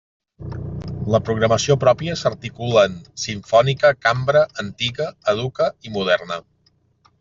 La programació pròpia s'articula en: simfònica, cambra, antiga, educa i moderna.